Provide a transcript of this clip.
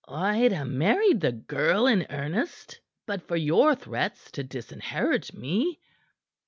"I'd ha' married the girl in earnest, but for your threats to disinherit me."